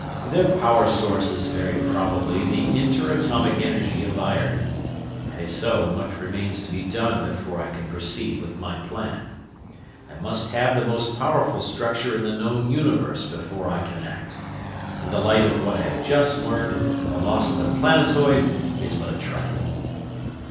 "Their power source is very probably the intra atomic energy of iron; and if so, much remains to be done before I can proceed with my plan. I must have the most powerful structure in the known Universe before I can act. In the light of what I have just learned, the loss of the planetoid is but a trifle."